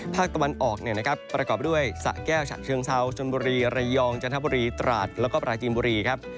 ภาคตะวันออกนะครับปรากฎไปด้วยสะแก้วฉะเชืองเช้าจนบุรีระยองจนทะบุรีตราสแล้วก็ปรากจีนบุรีครับ